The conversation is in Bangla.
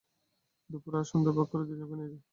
দুপরে আর সন্ধ্যায় ভাগ করে দুইজনকেই নিয়ে যাই কি বলো?